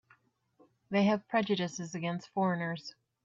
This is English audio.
They have prejudices against foreigners.